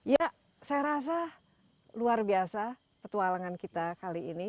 ya saya rasa luar biasa petualangan kita kali ini